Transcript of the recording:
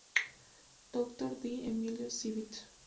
Dr. D. Emilio Civit.